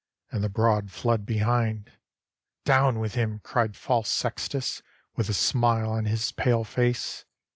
And the broad flood behind. "Down with him!" cried false Sextus, With a smile on his pale face.